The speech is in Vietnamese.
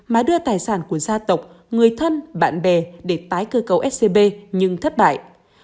mà đưa tài sản của gia tộc người thân bạn bè để tái cơ cấu scb nhưng thất bại